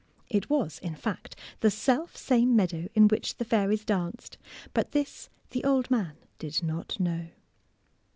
It was, in fact, the self same meadow in which the fairies danced, but this the old man did not know.